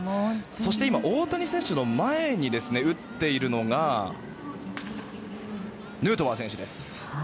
そして今、大谷選手の前に打っているのがヌートバー選手です。